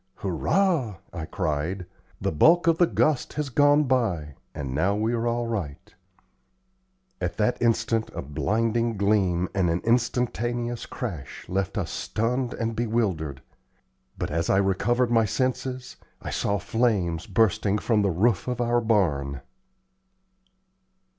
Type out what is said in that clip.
"Hurrah!" I cried. "The bulk of the gust has gone by, and now we are all right!" At that instant a blinding gleam and an instantaneous crash left us stunned and bewildered. But as I recovered my senses, I saw flames bursting from the roof of our barn.